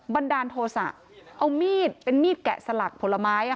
บันดาลโทษะเอามีดเป็นมีดแกะสลักผลไม้